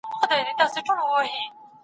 دا سړی ملامت نه بولم یارانو